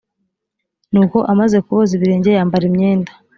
nuko amaze kuboza ibirenge yambara imyenda